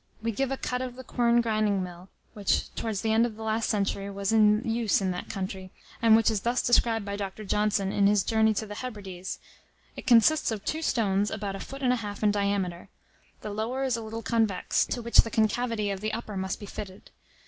We give a cut of the quern grinding mill, which, towards the end of the last century, was in use in that country, and which is thus described by Dr. Johnson in his "Journey to the Hebrides:" "It consists of two stones about a foot and half in diameter; the lower is a little convex, to which the concavity of the upper must be fitted.